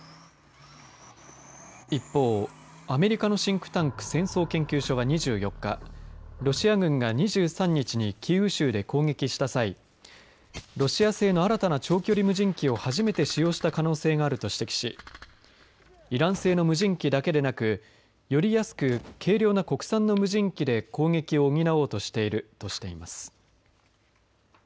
一方、アメリカのシンクタンク戦争研究所は２４日ロシア軍が２３日にキーウ州で攻撃した際ロシア製の新たな長距離無人機を初めて使用した可能性があると指摘しイラン製の無人機だけでなくより安く軽量な国産の無人機で攻撃を補おうとしているとしています。